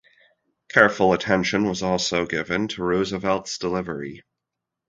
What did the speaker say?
Careful attention was also given to Roosevelt's delivery.